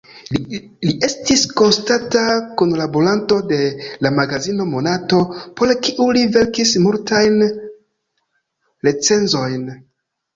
Li estis konstanta kunlaboranto de la magazino "Monato", por kiu li verkis multajn recenzojn.